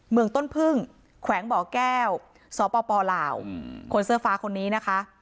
เมืองต้นพึ่งแก้วสปลาวอืมขนเสื้อฟ้าคนนี้นะคะ